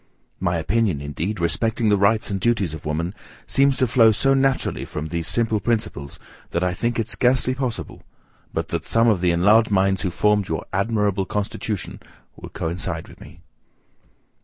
My opinion, indeed, respecting the rights and duties of woman, seems to flow so naturally from these simple principles, that I think it scarcely possible, but that some of the enlarged minds who formed your admirable constitution, will coincide with me.